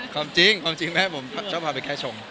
ความจริงความจริงแม่ผมชอบพาไปแค่ชง